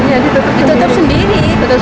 ya ditutup sendiri